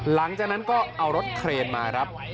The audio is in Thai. หลังจากนั้นก็เอารถเครนมาครับ